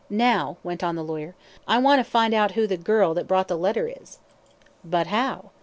Now," went on the lawyer, "I want to find out who the girl that brought the letter is!" "But how?"